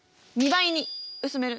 ２倍に薄める。